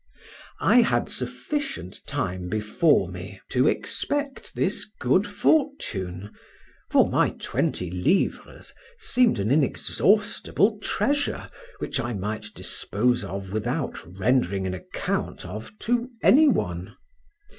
I had sufficient time before me to expect this good fortune, for my twenty livres seemed an inexhaustible treasure, which I might dispose of without rendering an account of to anyone.